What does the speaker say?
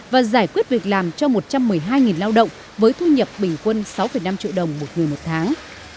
và giải quyết việc làm cho một trăm một mươi hai lao động với thu nhập bình quân sáu năm triệu đồng một người một tháng